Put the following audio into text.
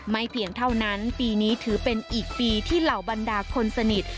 เพียงเท่านั้นปีนี้ถือเป็นอีกปีที่เหล่าบรรดาคนสนิท